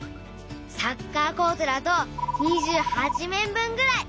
サッカーコートだと２８面分ぐらい。